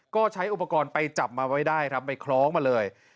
ก็ใช้อุปกรณ์ไปจับมาไว้ได้ครับไปคล้องมาเลย